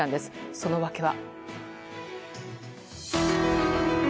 その訳は？